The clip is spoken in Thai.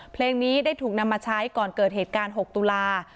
เพลงนี้ได้ถูกนำมาใช้ก่อนเกิดเหตุการณ์๖ตุลา